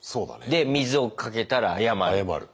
で水をかけたら謝る。